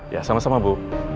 ya sama sama bu